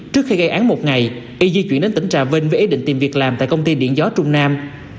trước khi gây án một ngày y di chuyển đến tỉnh trà vinh với ý định tìm việc làm tại công ty điện gió trung nam